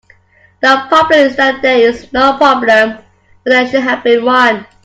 The problem is that there is no problem when there should have been one.